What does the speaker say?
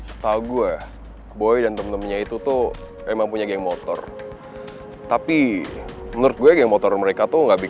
siapa emangnya bi